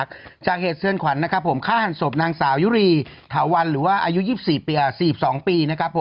ค้าหันสบนางสาวยุรีถาววัน๓๒ปี